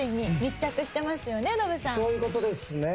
そういう事ですね。